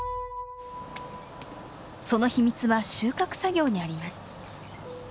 その秘密は収穫作業にあります。